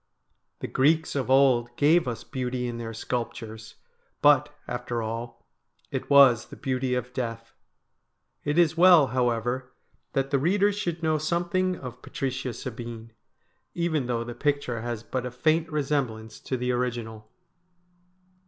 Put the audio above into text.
The Greeks of old gave us beauty in their sculptures, but, after all, it was the beauty of death. It is well, however, that the reader should know something of Patricia Sabine, even though the THE BRIDE OF DEATH 93 picture has but a faint resemblance to the original.